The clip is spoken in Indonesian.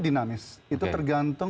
dinamis itu tergantung